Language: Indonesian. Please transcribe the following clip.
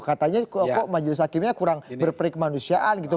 katanya kok majelis hakimnya kurang berperik manusiaan gitu